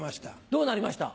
どうなりました？